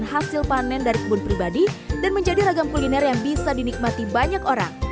hasil panen dari kebun pribadi dan menjadi ragam kuliner yang bisa dinikmati banyak orang